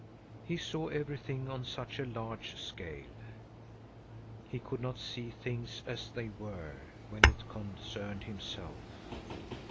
He saw everything on such a large scale. He could not see things as they were, when it concerned himself.